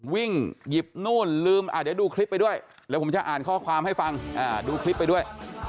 วิ่งหยิบนู่นลืมเดี๋ยวดูคลิปไปด้วยแล้วผมจะอ่านข้อความให้ฟังดูคลิปไปด้วย